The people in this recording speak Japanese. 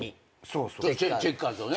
チェッカーズをね。